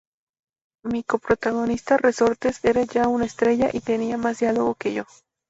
Mi co-protagonista, Resortes, era ya una estrella y tenía más diálogo que yo.